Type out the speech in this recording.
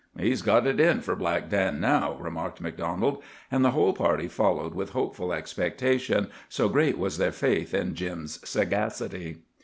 "He's got it in for Black Dan now," remarked MacDonald. And the whole party followed with hopeful expectation, so great was their faith in Jim's sagacity.